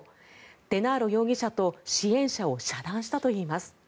デナーロ容疑者と支援者を遮断したといいます。